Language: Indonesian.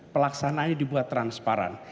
pelaksanaannya dibuat transparan